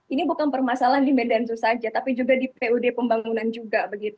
ini bukan permasalahan di medansu saja tapi juga di pud pembangunan juga